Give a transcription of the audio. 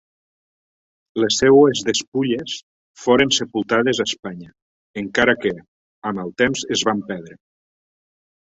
Les seues despulles foren sepultades a Espanya, encara que, amb el temps es van perdre.